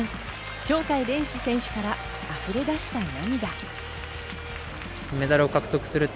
鳥海連志選手から溢れ出した涙。